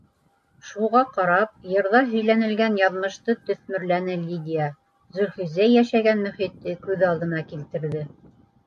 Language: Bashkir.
Шуға ҡарап, йырҙа һөйләнелгән яҙмышты төҫмөрләне Лидия, Зөлхизә йәшәгән мөхитте күҙ алдына килтерҙе.